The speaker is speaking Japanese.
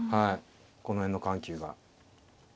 この辺の緩急が。